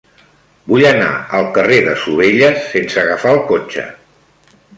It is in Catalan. Vull anar al carrer de Sovelles sense agafar el cotxe.